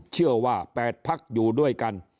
เชื่อว่าแปดพรรคอยู่ด้วยกัน